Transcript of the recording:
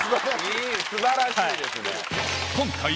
いい素晴らしいですね。